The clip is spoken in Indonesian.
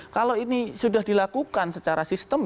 kalau ini sudah dilakukan secara sistem